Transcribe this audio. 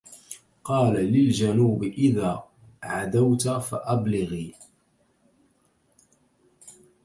قل للجنوب إذا غدوت فأبلغي